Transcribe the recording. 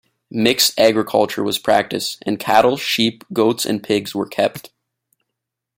Mixed agriculture was practiced, and cattle, sheep, goats and pigs were kept.